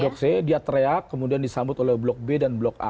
blok c dia teriak kemudian disambut oleh blok b dan blok a